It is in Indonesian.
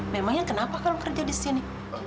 memangnya kenapa kalau kerja di sini